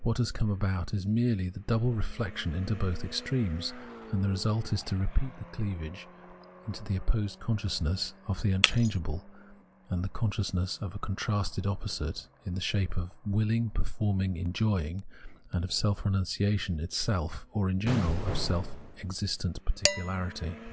"What has come about is merely the double reflection into both extremes ; and the result is to repeat the cleavage into the opposed consciousness of the un changeable and the consciousness of a contrasted opposite in the shape of willing, performing, enjoying, and of seK renunciation itself, or, in general, of seLf existent particularity.